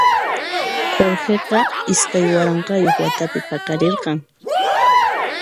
Jorgeqa iskay waranqayuq watapi paqarirqan.